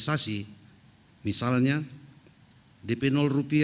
f pertimbangan kerja akademi